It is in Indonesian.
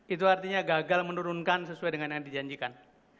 itu artinya gagal menurunkan sesuai dengan yang dijanjikan